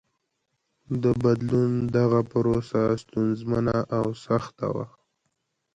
د بدلون دغه پروسه ستونزمنه او سخته وه.